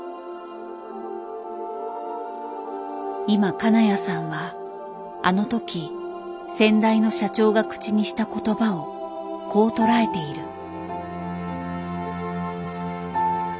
今金谷さんはあの時先代の社長が口にした言葉をこう捉えている。